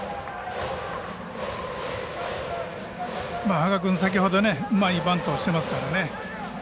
垪和君は先ほどうまいバントをしてますからね。